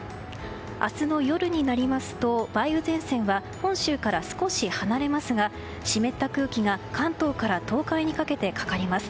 明日の夜になりますと梅雨前線は本州から少し離れますが湿った空気が関東から東海にかけてかかります。